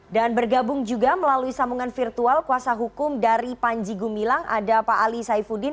dan bergabung juga melalui sambungan virtual kuasa hukum dari panji gumilang ada pak ali saifuddin